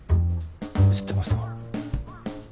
知ってました？